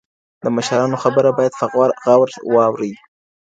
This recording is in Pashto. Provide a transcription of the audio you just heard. د مشرانو خبره بايد په غور واورئ.